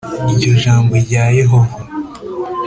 Iryo jambo rya yehova